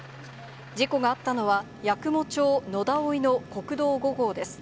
事故があったのは、八雲町野田生の国道５号です。